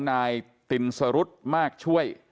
นายตินสรุธมากช่วย